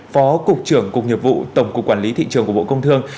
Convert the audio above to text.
phó cục trưởng cục nghiệp vụ tổng cục quản lý thị trường của bộ công thương